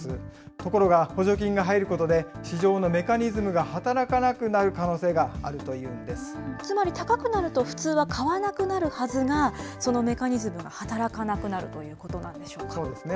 ところが、補助金が入ることで、市場のメカニズムが働かなくなるつまり高くなると、普通は買わなくなるはずが、そのメカニズムが働かなくなるということなんそうですね。